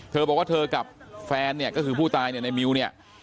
เธอบอกว่าเธอกับแฟนเนี่ยก็คือผู้ตายเนี่ยในมิวเนี่ย